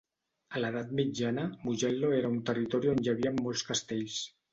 A l"Edat mitjana, Mugello era un territori on hi havien molts castells.